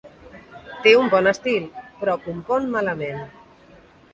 Té un bon estil, però compon malament.